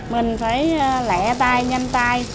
mình phải lẹ tay nhanh tay